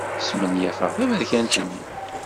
Smenyafeɣ taberkant-nni.